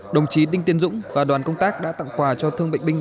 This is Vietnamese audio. đồng chí đinh tiên dũng và đoàn công tác đã tặng quà cho thương bệnh binh